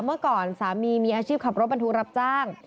เมื่อก่อนสามีมีอาชีพขับรถบรรทุกรับจ้าง